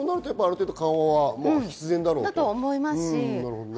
ある程度緩和は必然だと思います。